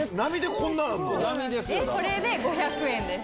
これで５００円です。